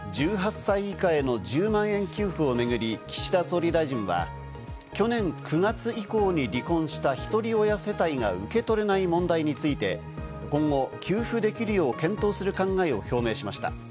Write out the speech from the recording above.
１８歳以下への１０万円給付をめぐり岸田総理大臣は去年９月以降に離婚したひとり親世帯が受け取れない問題について、今後、給付できるよう検討する考えを表明しました。